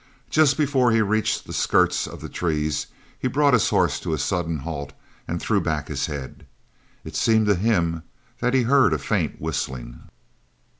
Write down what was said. Just before he reached the skirts of the trees he brought his horse to a sudden halt and threw back his head. It seemed to him that he heard a faint whistling.